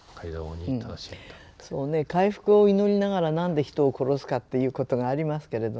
そうね回復を祈りながら何で人を殺すかっていうことがありますけれどね。